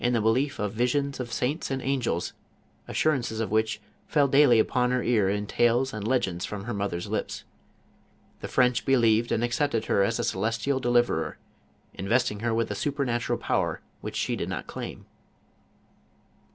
the belief of visions of saints" and angels, assurances of which fell daily upon her ear in tales and legends from her mother's lips. The French believed and accepted her as a celestial deliverer, investing her with a supernatural power which she did not claim.